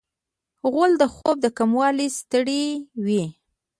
غول د خوب د کموالي ستړی وي.